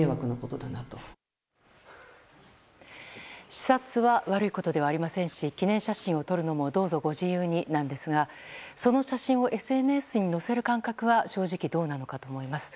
視察は悪いことではありませんし記念写真を撮るのもどうぞご自由になんですがその写真をＳＮＳに載せる感覚は正直どうなのかと思います。